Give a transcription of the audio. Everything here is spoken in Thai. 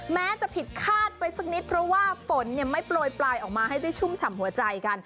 แม้จะผิดคาดไปสักนิดเพราะว่าฝนไม่โปรยปลายออกมาให้ได้ชุ่มฉ่ำหัวใจกัน